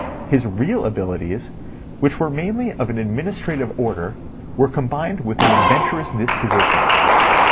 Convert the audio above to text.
His real abilities, which were mainly of an administrative order, were combined with an adventurous disposition.